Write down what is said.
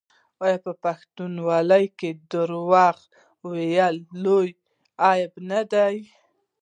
آیا په پښتونولۍ کې دروغ ویل لوی عیب نه دی؟